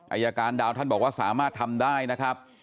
อาจารย์ดาวท่านบอกว่าสามารถทำได้นะครับ